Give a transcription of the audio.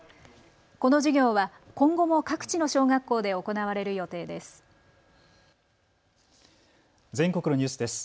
この授業は今後も各地の小学校で行われる予定です。